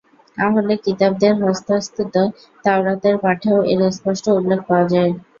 আহলে কিতাবদের হস্তস্থিত তাওরাতের পাঠেও এর স্পষ্ট উল্লেখ পাওয়া যায়।